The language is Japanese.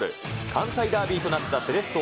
関西ダービーとなったセレッソ